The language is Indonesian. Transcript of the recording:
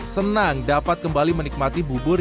senang dapat kembali menikmati bubur